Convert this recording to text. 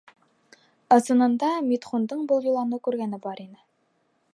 Ысынында Митхундың был йоланы күргәне бар ине.